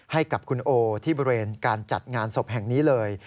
ให้กับคุณโอที่บริเวณการจัดงานศพแห่งนี้เลย